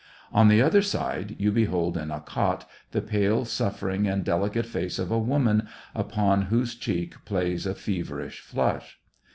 On the other side, you behold in a cot the pale, suffering, and delicate face of a woman, upon whose cheek plays a feverish flush.